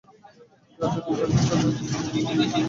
যা তৈরি হয়েছে তা যথেষ্ট, কিন্তু আরো করতে হবে।